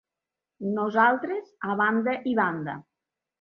Nosaltres, a banda i banda.